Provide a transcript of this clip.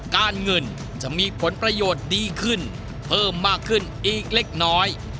การเงินจะมีผลประโยชน์ดีขึ้นเพิ่มมากขึ้นอีกเล็กน้อย